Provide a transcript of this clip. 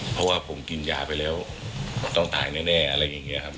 เพราะว่าผมกินยาไปแล้วต้องตายแน่อะไรอย่างนี้ครับ